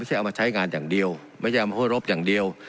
ใช้เอามาใช้งานอย่างเดียวไม่ใช่เอามาโฆบอย่างเดียว